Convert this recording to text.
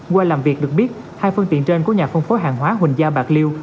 qua làm việc được biết hai phương tiện trên của nhà phân phối hàng hóa huỳnh gia bạc liêu